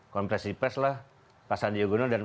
konfesi pes lah pak sandi yoganol dan